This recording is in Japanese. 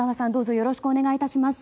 よろしくお願いします。